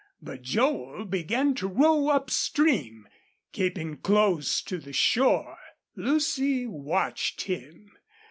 But Joel began to row up stream, keeping close to the shore. Lucy watched him.